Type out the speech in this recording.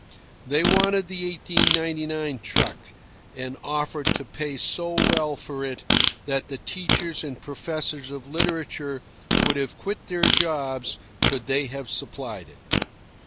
They wanted the 1899 truck, and offered to pay so well for it that the teachers and professors of literature would have quit their jobs could they have supplied it.